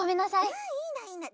うんいいのいいの。